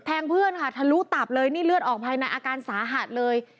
เพื่อนค่ะทะลุตับเลยนี่เลือดออกภายในอาการสาหัสเลย